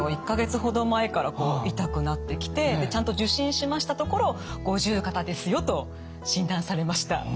１か月ほど前から痛くなってきてちゃんと受診しましたところ五十肩ですよと診断されました。